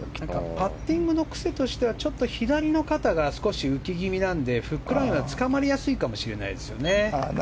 パッティングの癖としては左の肩が少し浮き気味なのでフックラインは捕まりやすいかもしれないですね。